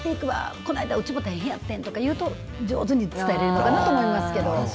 この間うちも大変やってんとかいうと上手につなげるかなと思いますけど。